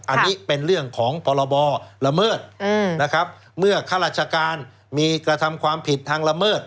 อันนี้เป็นเรื่องของพรบละเมิดนะครับเมื่อข้าราชการมีกระทำความผิดทางละเมิด